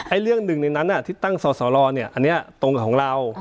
เรื่องหนึ่งในนั้นที่ตั้งสอสรเนี่ยอันนี้ตรงกับของเรา